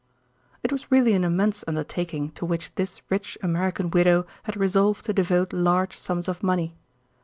It was really an immense undertaking to which this rich American widow had resolved to devote large sums of money.